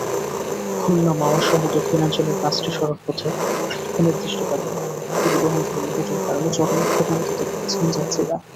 খুলনা-মাওয়াসহ দক্ষিণাঞ্চলের পাঁচটি সড়কপথে অনির্দিষ্টকালের পরিবহন ধর্মঘটের কারণে চরম ভোগান্তিতে পড়েছেন যাত্রীরা।